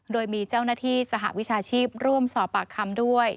โดยมีเจ้าหน้าที่สหวิชาชีพร่วมสอบปากคำด้วย